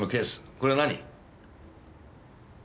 これは何？